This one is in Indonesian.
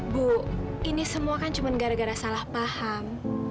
bu ini semua kan cuma gara gara salah paham